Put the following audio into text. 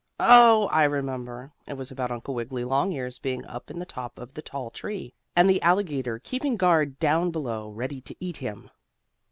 Oh! I remember. It was about Uncle Wiggily Longears being up in the top of the tall tree, and the alligator keeping guard down below, ready to eat him.